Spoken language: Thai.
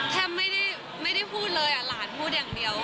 ไม่ได้พูดเลยหลานพูดอย่างเดียว